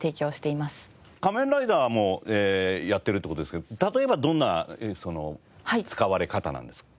『仮面ライダー』もやっているって事ですけど例えばどんな使われ方なんですか？